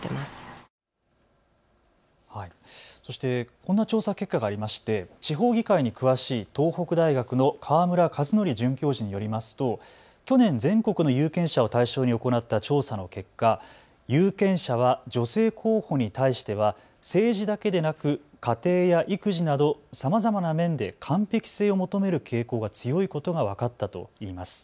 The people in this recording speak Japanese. こんな調査結果がありまして地方議会に詳しい東北大学の河村和徳准教授によりますと去年、全国の有権者を対象に行った調査の結果、有権者は女性候補に対しては政治だけでなく家庭や育児などさまざまな面で完璧性を求める傾向が強いことが分かったといいます。